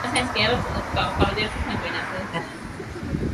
সে এক বনে দুই রাজা রেখেছে।